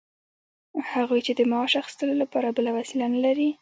هغوی چې د معاش اخیستلو لپاره بله وسیله نلري